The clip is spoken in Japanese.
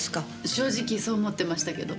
正直そう思ってましたけど。